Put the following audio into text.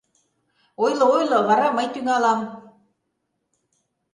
Ойло, ойло, вара мый тӱҥалам!